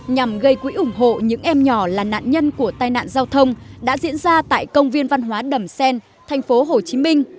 nhằm gây quỹ ủng hộ những em nhỏ là nạn nhân của tai nạn giao thông đã diễn ra tại công viên văn hóa đầm xen thành phố hồ chí minh